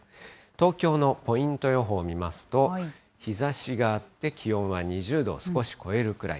東京のポイント予報見ますと、日ざしがあって、気温は２０度少し超えるくらい。